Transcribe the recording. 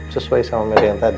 sesuai sama media yang tadi